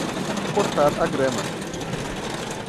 Cortar a grama.